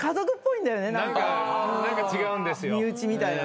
何か違うんですよ。